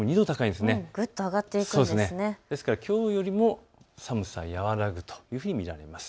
ですからきょうよりも寒さ和らぐというふうに見られます。